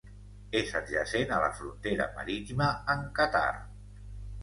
És adjacent a la frontera marítima amb Qatar.